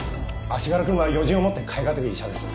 足柄君は余人をもって代えがたき医者です。